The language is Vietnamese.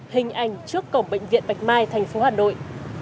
hình ảnh trước cổng bệnh viện bạch mai thành phố hà nội